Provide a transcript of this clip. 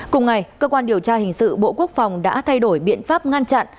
cùng ngày cơ quan điều tra hình sự bộ quốc phòng đã thay đổi biện pháp ngăn chặn